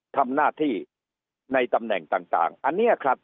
ทำหน้าที่ในตำแหน่งต่างอันนี้ครับ